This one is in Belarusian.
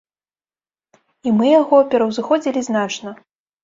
І мы яго пераўзыходзілі значна.